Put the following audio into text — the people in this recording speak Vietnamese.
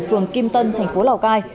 phường kim tân thành phố lào cai